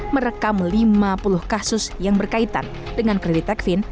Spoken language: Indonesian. merekam lima puluh kasus yang berkaitan dengan kredit tekvin